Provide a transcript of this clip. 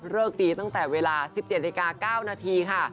เริกดีตั้งแต่เวลา๑๗นาที๙นาทีค่ะ